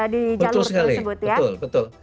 di jalur tersebut